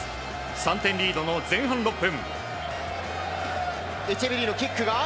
３点リードの前半６分。